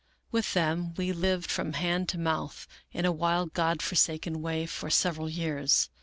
With them we lived from hand to mouth in a wild God forsaken way for several years.